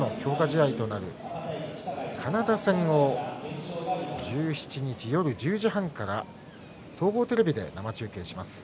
試合となるカナダ戦を１７日夜１０時半から総合テレビで生中継します。